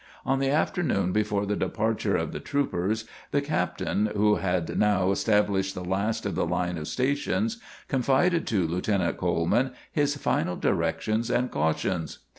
On the afternoon before the departure of the troopers, the captain, who had now established the last of the line of stations, confided to Lieutenant Coleman his final directions and cautions.